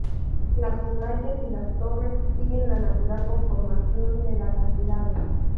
Las murallas y las torres siguen la natural conformación del acantilado.